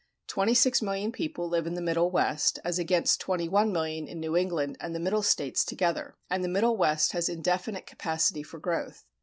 Twenty six million people live in the Middle West as against twenty one million in New England and the Middle States together, and the Middle West has indefinite capacity for growth.